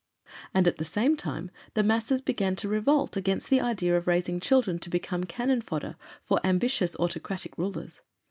And at the same time, the masses began to revolt against the idea of raising children to become "cannon fodder" for ambitious autocratic rulers.